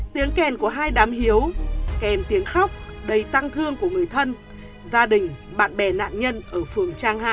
tiếng khen của hai đám hiếu kèm tiếng khóc đầy tăng thương của người thân gia đình bạn bè nạn nhân ở phường trang hạ